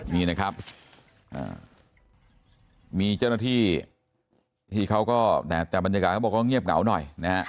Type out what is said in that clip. นี่นะครับมีเจ้าหน้าที่ที่เขาก็แต่บรรยากาศเขาบอกว่าเงียบเหงาหน่อยนะฮะ